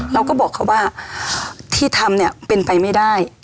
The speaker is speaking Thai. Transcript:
เราก็บอกเขาว่าที่ทำเนี่ยเป็นไปไม่ได้